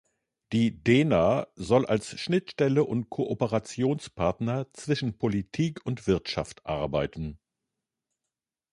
Die dena soll als Schnittstelle und Kooperationspartner zwischen Politik und Wirtschaft arbeiten.